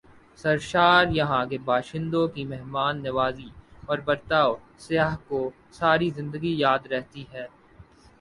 سرشاریہاں کے باشندوں کی مہمان نوازی اور برتائو سیاح کو ساری زندگی یاد رہتی ہیں ۔